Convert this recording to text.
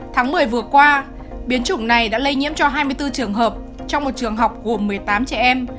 tháng một mươi vừa qua biến chủng này đã lây nhiễm cho hai mươi bốn trường hợp trong một trường học gồm một mươi tám trẻ em